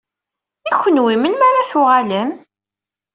I kenwi, melmi ara tuɣalem?